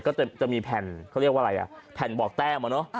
ก็จะมีแผ่นเขาเรียกว่าอะไรแผ่นบอกแต้ม